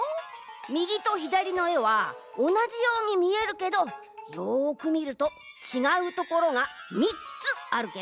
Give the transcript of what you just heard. みぎとひだりのえはおなじようにみえるけどよくみるとちがうところが３つあるケロ。